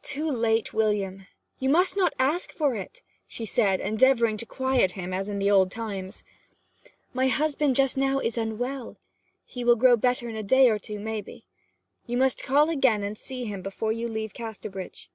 'Too late, William; you must not ask it,' said she, endeavouring to quiet him as in old times. 'My husband just now is unwell. He will grow better in a day or two, maybe. You must call again and see him before you leave Casterbridge.'